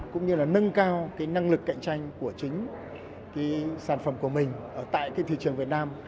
cũng như là nâng cao cái năng lực cạnh tranh của chính cái sản phẩm của mình ở tại cái thị trường việt nam